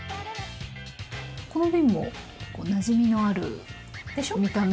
この瓶もなじみのある見た目。